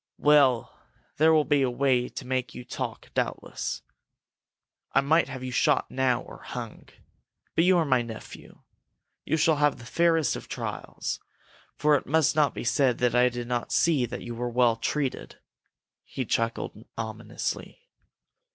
"Well, there will be a way to make you talk, doubtless. I might have you shot now or hung. But you are my nephew. You shall have the fairest of trials, for it must not be said that I did not see that you were well treated!" He chuckled ominously.